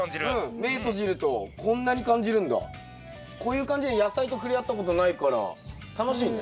こういう感じで野菜とふれあったことないから楽しいね。